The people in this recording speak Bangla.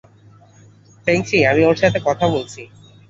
ফেংশি, আমি ওর সাথে কথা বলছি।